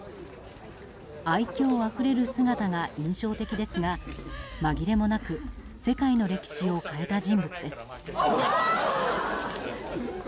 愛嬌あふれる姿が印象的ですが紛れもなく世界の歴史を変えた人物です。